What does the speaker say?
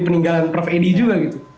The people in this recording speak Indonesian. peninggalan prof edi juga gitu